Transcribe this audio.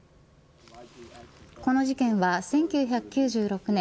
この事件は１９９６年